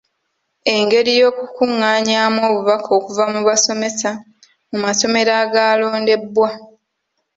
Engeri y’okukungaanyaamu obubaka okuva mu basomesa mu masomero agaalondebwa.